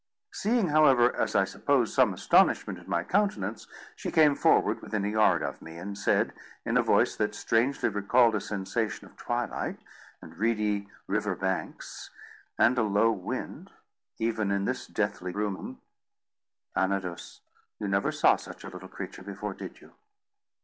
Seeing, however, as I suppose, some astonishment in my countenance, she came forward within a yard of me, and said, in a voice that strangely recalled a sensation of twilight, and reedy river banks, and a low wind, even in this deathly room:— "Anodos, you never saw such a little creature before, did you?"